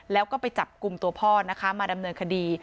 แล้วก็ไปจับกลุ่มตัวพ่อนะคะมาดำเนินคดี